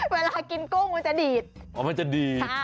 เวลากินกุ้งมันจะดีด